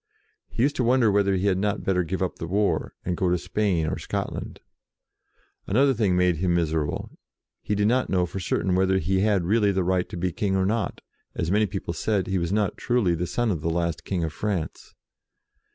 He used to wonder whether he had not better give up the war, and go to Spain or Scotland. Another thing made him miser able. He did not know for certain whether he had really the right to be King or not, as many people said that he was not truly the son of the last King of France.